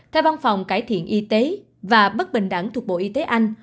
theo văn phòng cải thiện y tế và bất bình đẳng thuộc bộ y tế anh